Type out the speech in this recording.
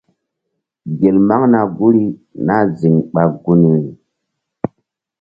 Gel maŋna guri nah ziŋ ɓa gunri.